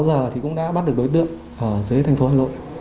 ba mươi sáu giờ thì cũng đã bắt được đối tượng ở dưới thành phố hà nội